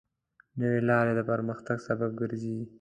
نوې لارې د پرمختګ سبب ګرځي.